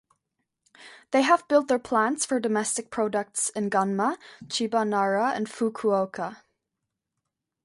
They have built their plants for domestic products in Gunma, Chiba, Nara, and Fukuoka.